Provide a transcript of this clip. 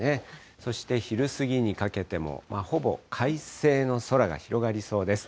そして昼過ぎにかけても、ほぼ快晴の空が広がりそうです。